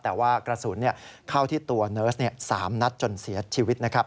แต่ว่ากระสุนเข้าที่ตัวเนิร์ส๓นัดจนเสียชีวิตนะครับ